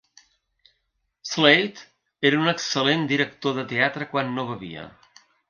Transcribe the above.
Slade era un excel·lent director de teatre quan no bevia.